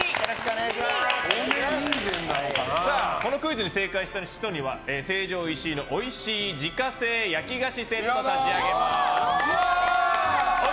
このクイズに正解した人には成城石井のおいしい自家製焼き菓子セットを差し上げます。